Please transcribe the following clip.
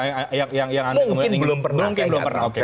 kemudian ingin mungkin belum pernah oke